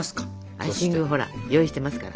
アイシングをほら用意してますから。